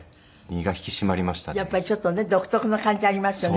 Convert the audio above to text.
やっぱりちょっとね独特の感じありますよね。